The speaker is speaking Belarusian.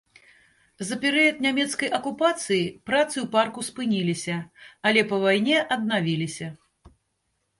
За перыяд нямецкай акупацыі працы ў парку спыніліся, але па вайне аднавіліся.